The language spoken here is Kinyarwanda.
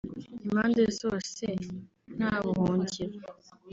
impande zose ntabuhungiro